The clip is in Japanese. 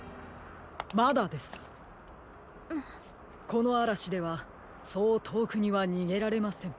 このあらしではそうとおくにはにげられません。